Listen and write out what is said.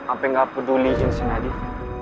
apa yang gak peduli jenisnya dia